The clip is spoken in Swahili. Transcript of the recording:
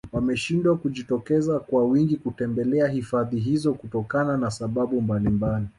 wameshindwa kujitokeza kwa wingi kutembelea hifadhi hizo kutokana na sababu mbalimbali